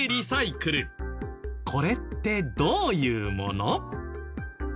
これってどういうもの？